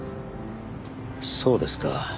そうですか。